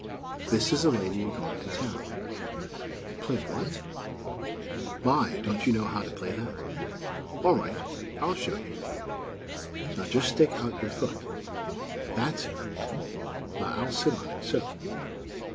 "This is a lady, a going to town." "Play what?" "My!! Don't you know how to play that? All right; I'll show you. Now just stick out your foot. That's it. Now I'll sit on it, so.